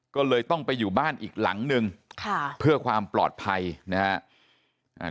ก็เลยต้องไปอยู่บ้านอีกหลังนึงค่ะเพื่อความปลอดภัยนะฮะ